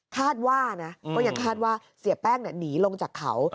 คาดว่านะก็ยังคาดว่าเสียแป้งหนีลงจากเขา